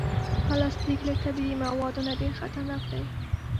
پلاستيک له طبعي موادو نه ډېر خطرناک دی.